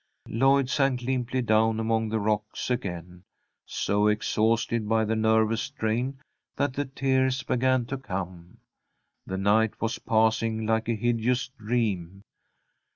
Lloyd sank limply down among the rocks again, so exhausted by the nervous strain that the tears began to come. The night was passing like a hideous dream.